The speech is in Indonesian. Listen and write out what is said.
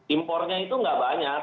impornya itu nggak banyak